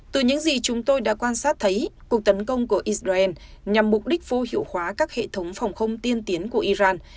từ những gì chúng tôi đã quan sát thấy cuộc tấn công của israel nhằm mục đích vô hiệu hóa các hệ thống phòng không tiên tiến của iran